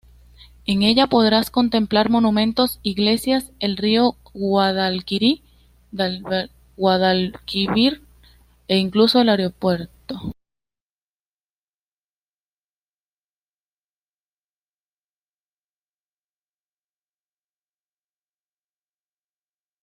En ella podrás contemplar monumentos, iglesias, el rio Guadalquivir e incluso el aeropuerto.